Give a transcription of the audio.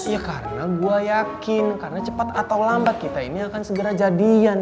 ya karena gue yakin karena cepat atau lambat kita ini akan segera jadian